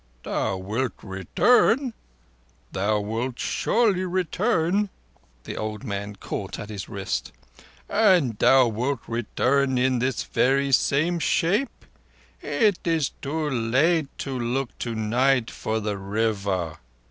"Thou wilt return? Thou wilt surely return?" The old man caught at his wrist. "And thou wilt return in this very same shape? Is it too late to look tonight for the River?"